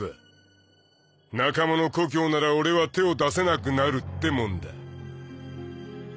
仲間の故郷なら俺は手を出せなくなるってもんだ